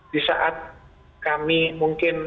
disaat kami mungkin